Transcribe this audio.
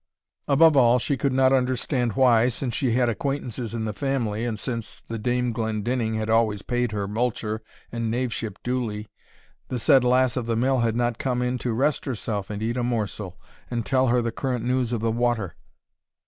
Above all, she could not understand why, since she had acquaintances in the family, and since the Dame Glendinning had always paid her multure and knaveship duly, the said lass of the mill had not come in to rest herself and eat a morsel, and tell her the current news of the water.